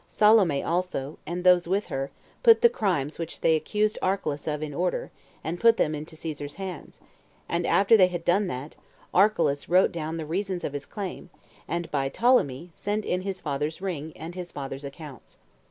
Salome also, and those with her, put the crimes which they accused Archelaus of in order, and put them into Caesar's hands; and after they had done that, Archelaus wrote down the reasons of his claim, and, by Ptolemy, sent in his father's ring, and his father's accounts.